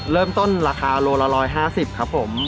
เริ่มต้นราคาโลละ๑๕๐ครับผม